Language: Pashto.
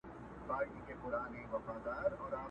o پردى غوښه په ځان پوري نه مښلي!